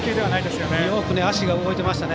よく足が動いてましたね。